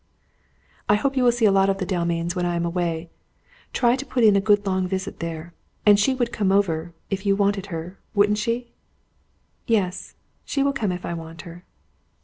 "I hope you will see a lot of the Dalmains while I am away. Try to put in a good long visit there. And she would come over, if you wanted her, wouldn't she?" "Yes; she will come if I want her."